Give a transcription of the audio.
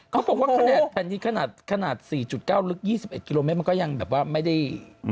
เขาบอกว่าขนาดแผ่นดินขนาด๔๙ลึก๒๑กิโลเมตรมันก็ยังแบบว่าไม่ได้